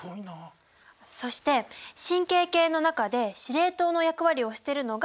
そして神経系の中で司令塔の役割をしてるのが。